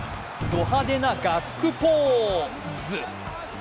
ド派手なガックポーズ。